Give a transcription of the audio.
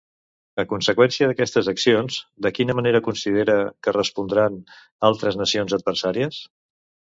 A conseqüència d'aquestes accions, de quina manera considera que respondran altres nacions adversàries?